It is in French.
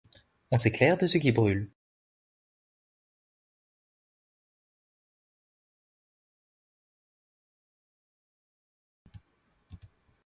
On s’éclaire de ce qui brûle.